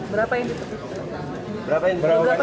berapa yang ditutup